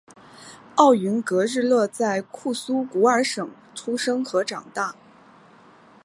奥云格日勒在库苏古尔省出生和长大。